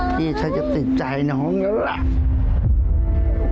พี่ชัยจะติดใจน้องน่ารัก